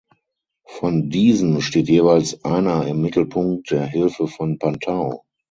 Von diesen steht jeweils einer im Mittelpunkt der Hilfe von Pan Tau.